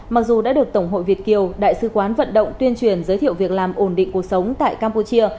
mặc dù đã được tổng hội việt kiều đại sứ quán vận động tuyên truyền giới thiệu việc làm ổn định cuộc sống tại campuchia